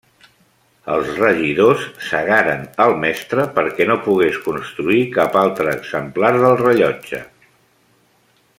Els regidors cegaren al mestre perquè no pogués construir cap altre exemplar del rellotge.